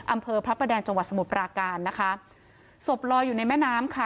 อำเภอพระประแดงจังหวัดสมุทรปราการนะคะศพลอยอยู่ในแม่น้ำค่ะ